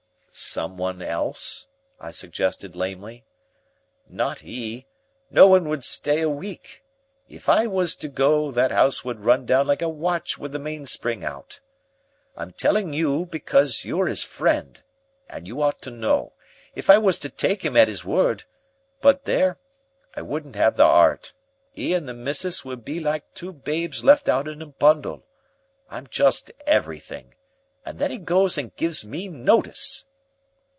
"Someone else," I suggested lamely. "Not 'e. No one would stay a week. If I was to go, that 'ouse would run down like a watch with the mainspring out. I'm telling you because you're 'is friend, and you ought to know. If I was to take 'im at 'is word but there, I wouldn't have the 'eart. 'E and the missus would be like two babes left out in a bundle. I'm just everything. And then 'e goes and gives me notice."